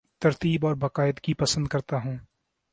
ترتیب اور باقاعدگی پسند کرتا ہوں